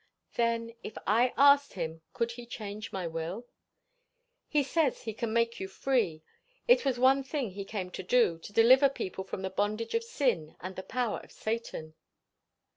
'" "Then, if I asked him, could he change my will?" "He says, he can make you free. It was one thing he came to do; to deliver people from the bondage of sin and the power of Satan."